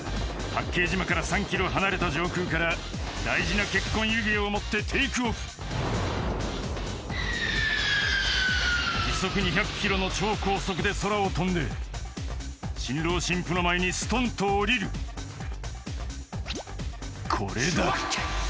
八景島から３ｋｍ離れた上空から大事な結婚指輪を持ってテークオフ時速２００ｋｍの超高速で空を飛んで新郎新婦の前にストンと降りるこれだ！